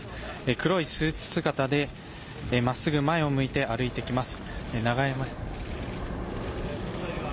黒いスーツ姿でまっすぐ前を向いて歩いてきます。